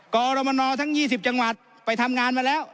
กรมนทั้ง๒๐จังหวัดไปทำงานมาแล้ว